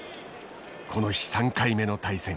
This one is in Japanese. この日３回目の対戦。